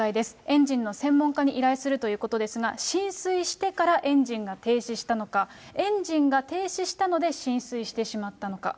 エンジンの専門家に依頼するということなんですが、浸水してからエンジンが停止したのか、エンジンが停止したので浸水してしまったのか。